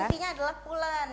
intinya adalah pulen